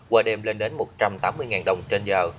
qua đêm lên đến một trăm tám mươi đồng trên giờ